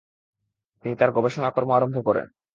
তিনি তার গবেষণাকর্ম আরম্ভ করেন।